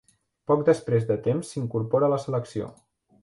Poc després de temps s'incorpora a la selecció.